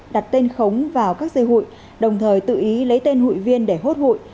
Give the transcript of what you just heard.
đặt tên khống vào các dây hụi đồng thời tự ý lấy tên hụi viên để hốt hụi